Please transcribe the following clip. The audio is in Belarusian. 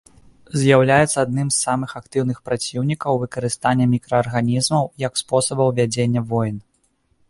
З'яўляецца адным з самых актыўных праціўнікаў выкарыстання мікраарганізмаў як спосабаў вядзення войн.